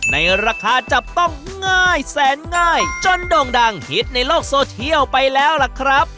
ในราคาจับต้องง่ายแสนง่ายจนโด่งดังฮิตในโลกโซเชียลไปแล้วล่ะครับ